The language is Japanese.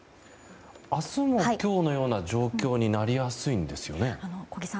明日も今日のような状況になりやすいんですよね。